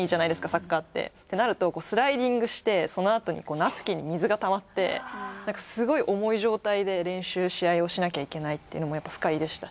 サッカーってってなるとスライディングしてそのあとにナプキンに水が溜まってすごい重い状態で練習試合をしなきゃいけないっていうのもやっぱ不快でした。